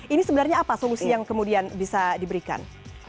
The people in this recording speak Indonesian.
ini sebenarnya apa solusi yang kemudian bisa diberikan